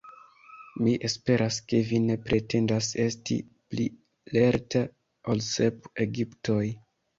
Mi esperas, ke vi ne pretendas esti pli lerta ol sep Egiptoj!